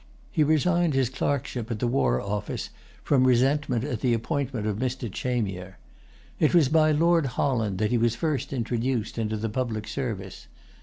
He resigned his clerkship at the war office from resentment at the appointment of Mr. Chamier. It was by Lord Holland that he was first introduced into the public service.